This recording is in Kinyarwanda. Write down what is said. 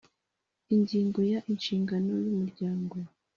Ingingo ya Inshingano y umuryango